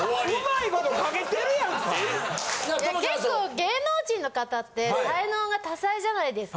いや結構芸能人の方って才能が多彩じゃないですか。